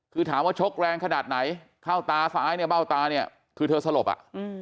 คือถามว่าชกแรงขนาดไหนเข้าตาซ้ายเนี่ยเบ้าตาเนี่ยคือเธอสลบอ่ะ